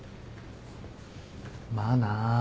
まあな。